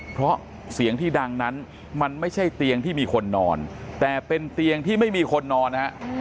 เพราะเสียงที่ดังนั้นมันไม่ใช่เตียงที่มีคนนอนแต่เป็นเตียงที่ไม่มีคนนอนนะฮะ